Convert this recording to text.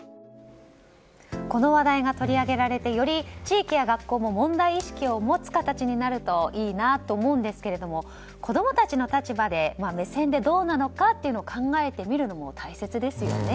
この話題が取り上げられてより地域や学校も問題意識を持つ形になるといいなと思うんですけれども子供たちの立場、目線でどうなのかを考えてみるのも大切ですよね。